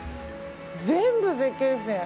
全部絶景ですね。